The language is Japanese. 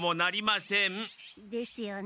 ですよね。